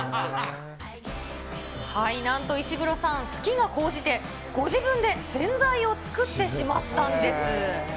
はい、なんと石黒さん、好きが高じて、ご自分で洗剤を作ってしまったんです。